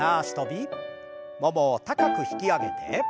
ももを高く引き上げて。